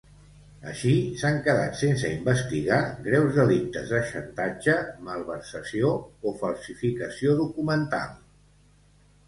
Així, s'han quedat sense investigar greus delictes de xantatge, malversació o falsificació documental.